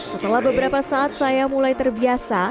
setelah beberapa saat saya mulai terbiasa